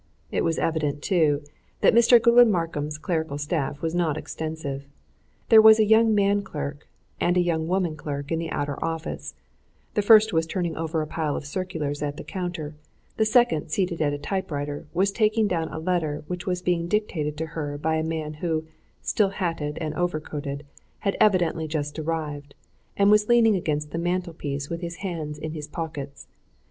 It was evident, too, that Mr. Godwin Markham's clerical staff was not extensive. There was a young man clerk, and a young woman clerk in the outer office: the first was turning over a pile of circulars at the counter; the second, seated at a typewriter, was taking down a letter which was being dictated to her by a man who, still hatted and overcoated, had evidently just arrived, and was leaning against the mantelpiece with his hands in his pockets.